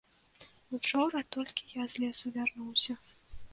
Учора толькі я з лесу вярнуўся.